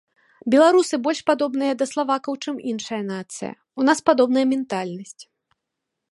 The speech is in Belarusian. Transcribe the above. Беларусы больш падобныя да славакаў, чым іншая нацыя, у нас падобная ментальнасць.